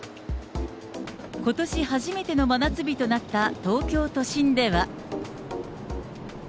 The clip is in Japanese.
ことし初めての真夏日となった東京都心では。